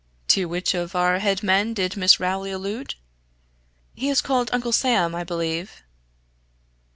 To which of our head men did Miss Rowley allude? "He is called Uncle Sam, I believe."